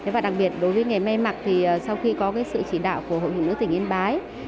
và đặc biệt đối với nghề may mặc thì sau khi có sự chỉ đạo của hội nghị nữ tỉnh yên bái